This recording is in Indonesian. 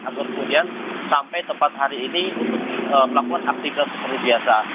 agar kemudian sampai tempat hari ini untuk melakukan aktivitas yang terbiasa